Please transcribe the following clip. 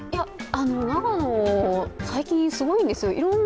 長野、最近、すごいんですよ。